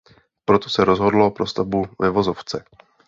Proto se rozhodlo pro stavbu ve vozovce.